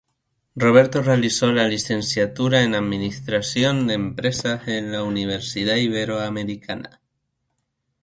Roberto realizó la licenciatura en administración de empresas en la Universidad Iberoamericana.